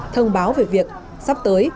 thông báo về việc sắp tới